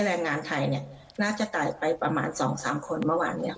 แรงงานไทยเนี่ยน่าจะตายไปประมาณ๒๓คนเมื่อวานนี้